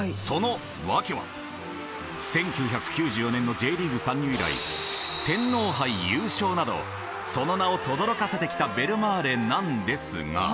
その訳は１９９４年のＪリーグ参入以来天皇杯優勝などその名をとどろかせてきたベルマーレなんですが。